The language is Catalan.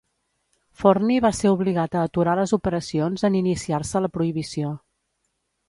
Forni va ser obligat a aturar les operacions en iniciar-se la Prohibició.